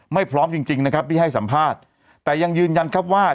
พร้อมจริงจริงนะครับที่ให้สัมภาษณ์แต่ยังยืนยันครับว่า